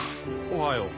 おはよう。